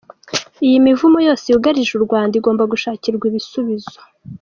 Iyi mivumo yose yugarije Urwanda igomba gushakirwa ibisubizo.